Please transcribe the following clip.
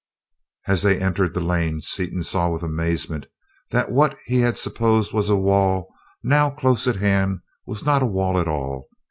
As they entered the lane, Seaton saw with amazement that what he had supposed a wall, now close at hand, was not a wall at all.